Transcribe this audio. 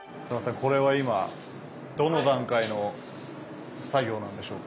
これは今どの段階の作業なんでしょうか？